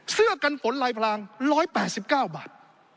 เสื้อกันฝนลายพลาง๑๘๙บาท